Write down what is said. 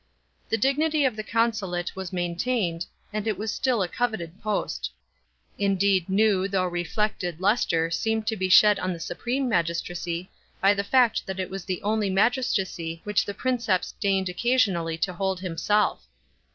The dignity of the consulate was maintained, and it was still a coveted post. Indeed new, though reflected, lustre seemed to be shed on the supreme magistracy by the face that it was the only magistracy which the Princeps deigned occasionally to hold himself.